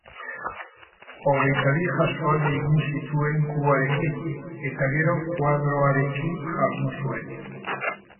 Hogeita bi jasoaldi egin zituen kuboarekin, eta gero koadroarekin jardun zuen.